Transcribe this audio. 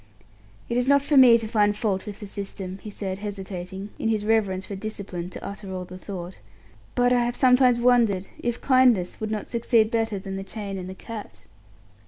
"It is not for me to find fault with the system," he said, hesitating, in his reverence for "discipline", to utter all the thought; "but I have sometimes wondered if kindness would not succeed better than the chain and the cat."